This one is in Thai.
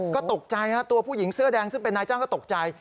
ก็ตกใจฮะตัวผู้หญิงเสื้อแดงซึ่งเป็นนายจ้างก็ตกใจ